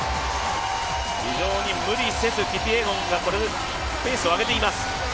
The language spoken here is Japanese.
無理せずキピエゴンがペースを上げています。